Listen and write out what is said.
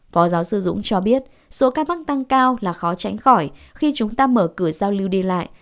phó giáo sư dũng cho biết số ca mắc tăng cao là khó tránh khỏi khi chúng ta mở cửa giao lưu đi lại